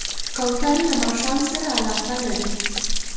کوتره له ماښام سره علاقه لري.